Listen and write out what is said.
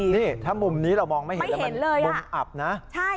เห็นมุมนี้เรามองไม่เห็นมี่มุมอับนะเห็นอะไร